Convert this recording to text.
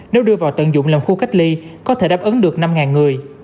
nếu đưa vào tận dụng làm khu cách ly có thể đáp ứng được năm người